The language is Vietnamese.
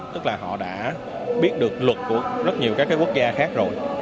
tức là họ đã biết được luật của rất nhiều các quốc gia khác rồi